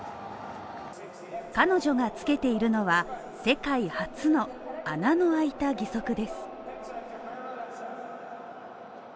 彼女がつけているのは世界初の穴のあいた義足です